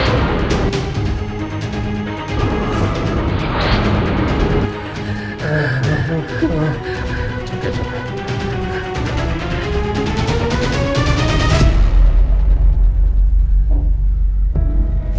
kamu kenal dia